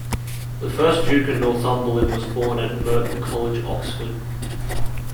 The first Duke of Northumberland was born at Merton College, Oxford.